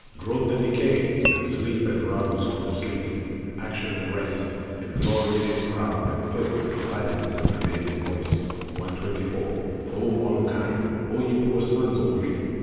Growth and Decay, and Sleep and Roused from sleep, Action and Rest, and Glory many crowned, And Filth, and Silence and prevailing Voice. 124. O mortal kind! O ye poor sons of grief!